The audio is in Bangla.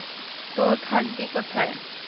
তো, থাকবি কোথায়?